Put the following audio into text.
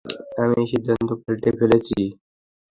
আমি সিদ্ধান্ত পাল্টে ফেলেছি।